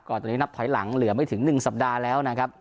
ตรงนี้นับถอยหลังเหลือไม่ถึง๑สัปดาห์แล้วนะครับ